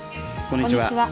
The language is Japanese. こんにちは。